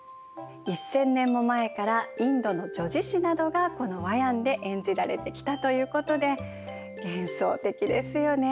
１，０００年も前からインドの叙事詩などがこのワヤンで演じられてきたということで幻想的ですよね。